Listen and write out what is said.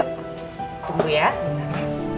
tunggu ya sebentar